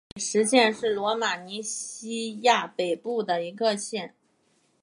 蒂米什县是罗马尼亚西部的一个县。